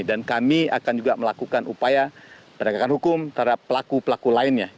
dan kami akan juga melakukan upaya perdagangan hukum terhadap pelaku pelaku lainnya